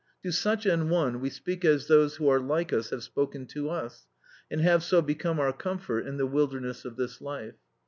To such an one we speak as those who are like us have spoken to us, and have so become our comfort in the wilderness of this life.